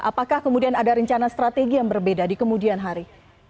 apakah kemudian ada rencana strategi yang berbeda di kemudian hari